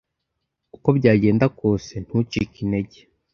uko byagenda kose, ntucike intege.